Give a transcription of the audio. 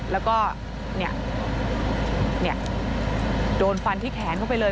แล้วก็โดนฟันที่แขนเข้าไปเลย